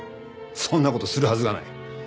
そんな事するはずがない。